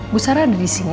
bu sarah ada di sini